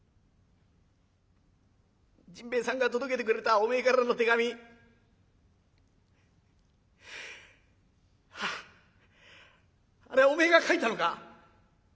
甚兵衛さんが届けてくれたおめえからの手紙あれおめえが書いたのか？